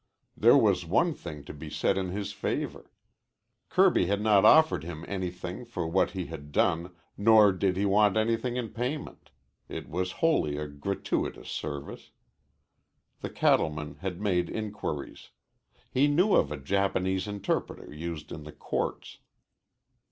There was one thing to be said in his favor. Kirby had not offered him anything for what he had done nor did he want anything in payment. It was wholly a gratuitous service. The cattleman had made inquiries. He knew of a Japanese interpreter used in the courts.